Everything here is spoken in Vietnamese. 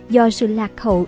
do sự lạc hậu